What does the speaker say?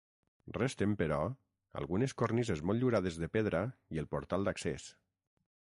Resten però, algunes cornises motllurades de pedra i el portal d'accés.